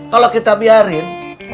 kalau kita biarin